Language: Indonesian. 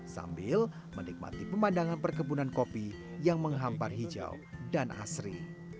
sambil menikmati pemandangan perkebunan kopi yang menghampar hijau dan asri